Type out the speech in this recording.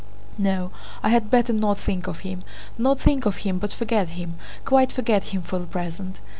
No, I had better not think of him; not think of him but forget him, quite forget him for the present.